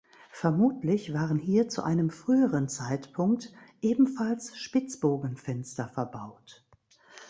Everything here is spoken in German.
Vermutlich waren hier zu einem früheren Zeitpunkt ebenfalls Spitzbogenfenster verbaut.